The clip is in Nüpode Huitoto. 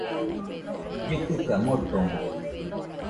Llɨkɨka motomo